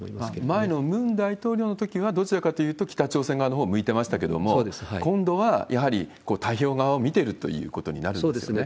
前のムン大統領のときは、どちらかというと北朝鮮側のほうを向いてましたけれども、今度はやはり太平洋側を見ているということになるんですね。